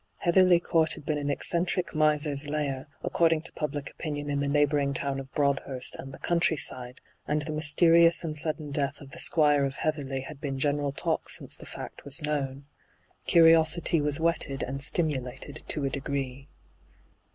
Heatherly Court had been an eccentric miser's lair, according to pnbUc opinion in the neighbouring town of feroadhurst and the countryside, and the mysterious and sudden death of the Squire of Heatherly had been general talk since the fact was n,aN, .rthyG00glc ENTRAPPED 57 known. Curiosity was whetted and stimulated to a degree.